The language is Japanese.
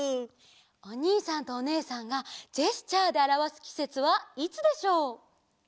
おにいさんとおねえさんがジェスチャーであらわすきせつはいつでしょう？